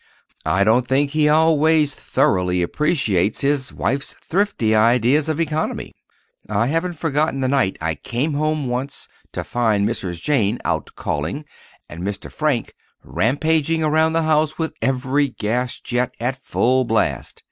I don't think he always thoroughly appreciates his wife's thrifty ideas of economy. I haven't forgotten the night I came home to find Mrs. Jane out calling, and Mr. Frank rampaging around the house with every gas jet at full blast.